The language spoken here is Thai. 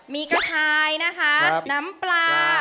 มีกะชายน้ำปลา